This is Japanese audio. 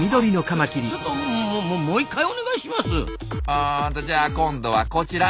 あじゃあ今度はこちら。